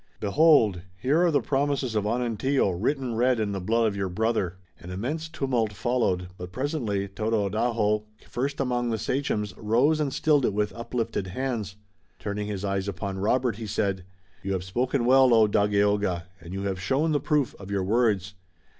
Behold! Here are the promises of Onontio, written red in the blood of your brother!" An immense tumult followed, but presently Tododaho, first among the sachems, rose and stilled it with uplifted hands. Turning his eyes upon Robert, he said: "You have spoken well, O Dagaeoga, and you have shown the proof of your words.